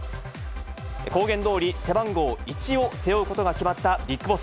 公言どおり、背番号１を背負うことが決まったビッグボス。